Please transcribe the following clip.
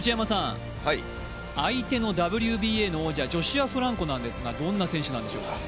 相手のＷＢＡの王者ジョシュア・フランコなんですがどんな選手なんでしょうか？